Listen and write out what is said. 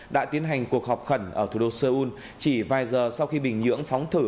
đã tiến hành cuộc họp khẩn ở thủ đô seoul chỉ vài giờ sau khi bình nhưỡng phóng thử